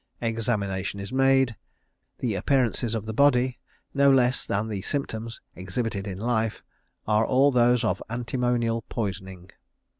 Examination is made. The appearances of the body, no less than the symptoms exhibited in life, are all those of antimonial poisoning.